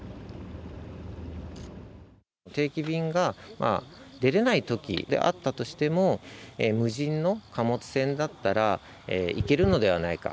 定期便が出られないようなときでも無人の貨物船だったらいけるのではないか。